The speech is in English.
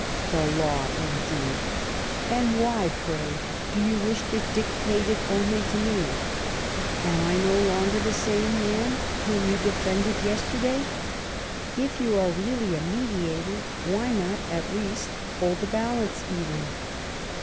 The law, indeed ! And why, pray, do you wish to dictate it only to me ? Am I no longer the same man whom you defended yesterday ? If you are really a mediator, why not, at least, hold the balance even?